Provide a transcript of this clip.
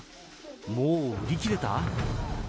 もう売り切れた？